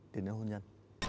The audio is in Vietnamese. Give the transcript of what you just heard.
tiếng nói hôn nhân